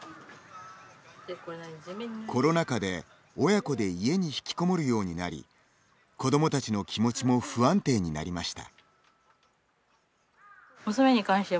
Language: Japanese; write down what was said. コロナ禍で、親子で家に引きこもるようになり子どもたちの気持ちも不安定になりました。